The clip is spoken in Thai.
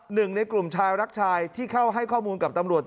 หนึ่งในกลุ่มชายรักชายที่เข้าให้ข้อมูลกับตำรวจ